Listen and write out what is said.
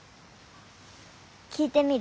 聞いてみる？